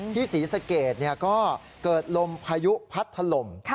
ที่ศรีสเกตก็เกิดลมพายุพัดถลม